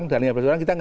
kan harus mulai lagi